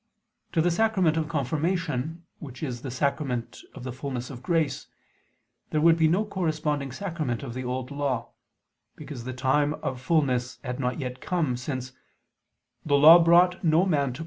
To the sacrament of Confirmation, which is the sacrament of the fulness of grace, there would be no corresponding sacrament of the Old Law, because the time of fulness had not yet come, since "the Law brought no man [Vulg.